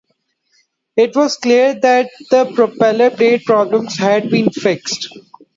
It was clear that the propeller blade problems had been fixed.